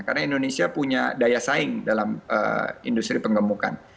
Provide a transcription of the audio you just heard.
karena indonesia punya daya saing dalam industri pengemukan